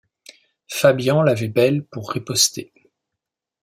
Fabian l’avait belle pour riposter.